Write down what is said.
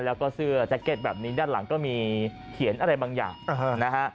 แล้วก็เสื้อแจ็คเก็ตแบบนี้ด้านหลังก็มีเขียนอะไรบางอย่างนะฮะ